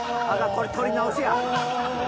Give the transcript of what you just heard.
これ撮り直しや。